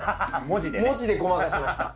文字でごまかしました。